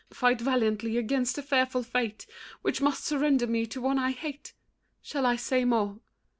Fight valiantly against the fearful fate Which must surrender me to one I hate. Shall I say more?